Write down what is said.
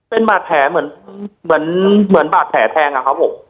เป็นบาดแผลเหมือนบาดแผลแทงอะครับผม